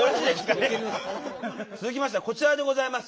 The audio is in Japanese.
続きましてはこちらでございます。